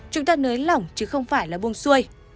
chúng ta nới lỏng chứ không phải buông xuôi